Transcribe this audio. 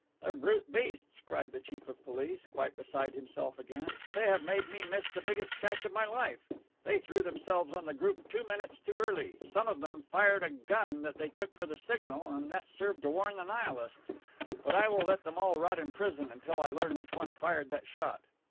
"They are brute beasts," cried the Chief of Police, quite beside himself again. "They have made me miss the biggest catch of my life. They threw themselves on the group two minutes too early. Some of them fired a gun that they took for the signal and that served to warn the Nihilists. But I will let them all rot in prison until I learn which one fired that shot."